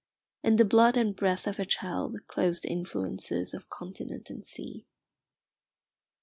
In the blood and breath of a child close the influences of continent and sea.